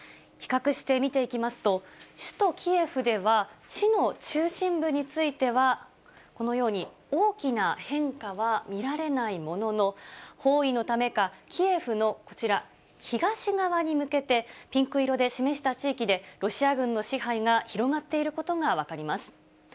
比較して見ていきますと、首都キエフでは、市の中心部については、このように大きな変化は見られないものの、包囲のためか、キエフのこちら、東側に向けて、ピンク色で示した地域で、ロシア軍の支配が広がっていることが分かります。